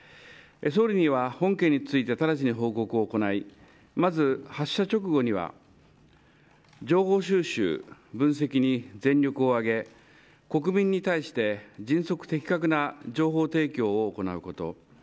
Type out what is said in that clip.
総理には本件について直ちに報告を行いまず発射直後には情報収集、分析に全力を挙げ国民に対して迅速、的確な情報提供を行うこと。